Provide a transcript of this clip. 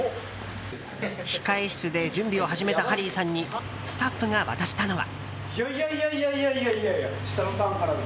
控室で準備を始めたハリーさんにスタッフが渡したのは。